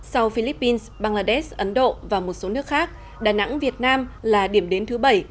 sau philippines bangladesh ấn độ và một số nước khác đà nẵng việt nam là điểm đến thứ bảy